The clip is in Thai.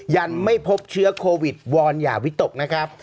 ยังไม่พบเชื้อโควิดวอนอย่าวิตกนะครับ